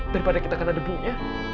daripada kita kena debunya